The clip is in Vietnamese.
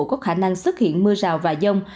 có khả năng xuất hiện mưa rào và dông